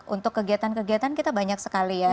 untuk kegiatan kegiatan kita banyak sekali ya